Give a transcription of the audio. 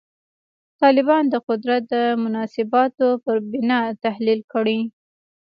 طالبان د قدرت د مناسباتو پر بنا تحلیل کړي.